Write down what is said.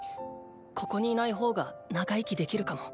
ここにいない方が長生きできるかも。